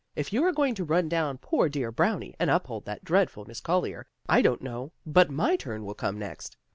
If you are going to run down poor dear Brownie, and uphold that dreadful Miss Collier, I don't know but my turn will come next."